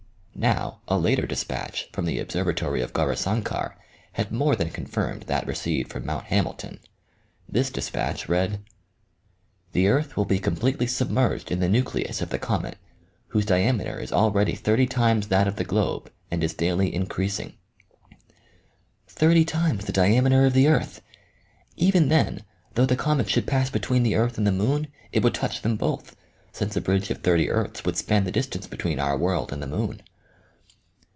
Now, a later despatch from the observatory of Gaurisankar had more than confirmed that received from Mount Hamilton. This despatch read :" The earth will be completely submerged in the nu cleus of the comet, whose diameter is already thirty times that of the globe and is daily increasing." Thirty times the diameter of the earth ! Kven then, though the comet should pass between the earth and the moon, it would touch them both, since a bridge of thirty earths would span the distance between our world and the moon.